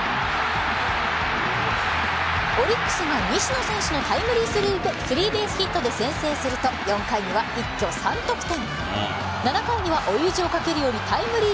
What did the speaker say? オリックスが西野選手のタイムリースリーベースヒットで先制すると４回には一挙３得点。